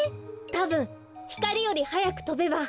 たぶんひかりよりはやくとべば。